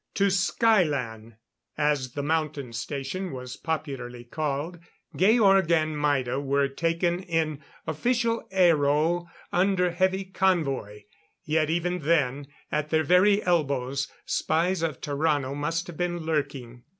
] To Skylan, as the Mountain Station was popularly called, Georg and Maida were taken in official aero under heavy convoy. Yet, even then, at their very elbows, spies of Tarrano must have been lurking.